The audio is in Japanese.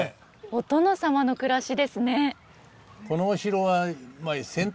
お殿様の暮らしですね。